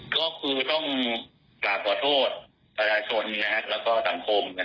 ก็คือต้องกล่าวโทษประชนและก็สังคม